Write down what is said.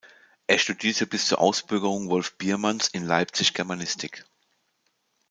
Er studierte bis zur Ausbürgerung Wolf Biermanns in Leipzig Germanistik.